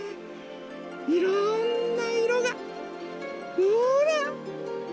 いろんないろがほら！